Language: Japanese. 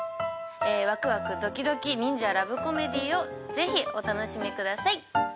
わくわくドキドキ忍者ラブコメディーをぜひお楽しみください。